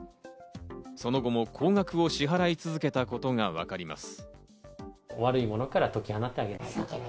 その後も高額を支払い続けたことがわかります。